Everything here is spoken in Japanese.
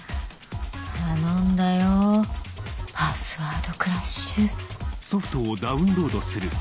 頼んだよパスワードクラッシュ。